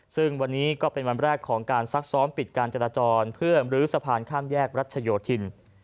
ซึ่งวันนี้ก็เป็นวันแรกของการซักซ้อมปิดการจราจรเพื่อมรื้อสะพานข้ามแยกรัชโยธิน